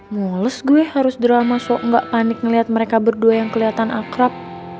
mules gue harus drama so gak panik ngeliat mereka berdua yang keliatan akrab